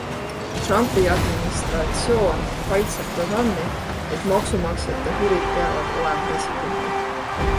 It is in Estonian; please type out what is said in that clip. Trumpi administratsioon kaitseb programmi, et maksumaksjate huvid peavad olema esikohal.